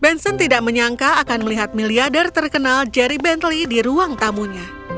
benson tidak menyangka akan melihat miliarder terkenal jerry bentley di ruang tamunya